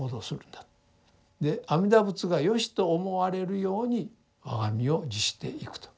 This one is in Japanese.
で阿弥陀仏がよしと思われるように我が身を律していくと。